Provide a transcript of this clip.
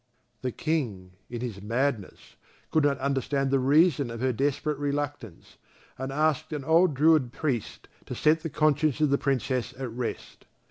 The King, in his madness, could not understand the reason of her desperate reluctance, and asked an old Druid priest to set the conscience of the Princess at rest.